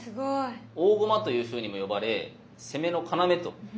「大駒」というふうにも呼ばれ攻めの要となる駒の一つです。